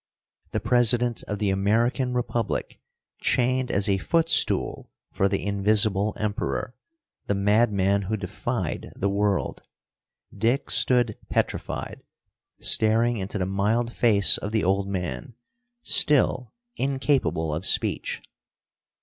The President of the American Republic, chained as a footstool for the Invisible Emperor, the madman who defied the world. Dick stood petrified, staring into the mild face of the old man, still incapable of speech.